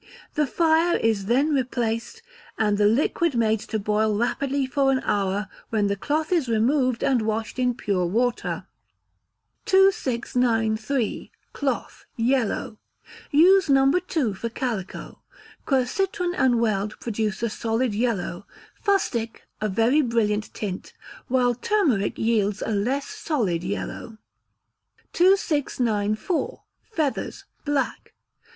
The fire is then replaced, and the liquid made to boil rapidly for an hour, when the cloth is removed and washed in pure water. 2693. Cloth (Yellow). Use No. ii. for calico. Quercitron and weld produce a solid yellow; fustic a very brilliant tint; while turmeric yields a less solid yellow. 2694. Feathers (Black).